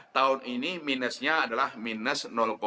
tahun ini minusnya adalah minus tujuh